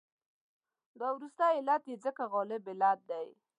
دا وروستی علت یې ځکه غالب علت دی.